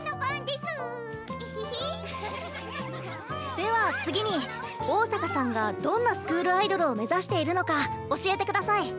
では次に桜坂さんがどんなスクールアイドルを目指しているのか教えて下さい。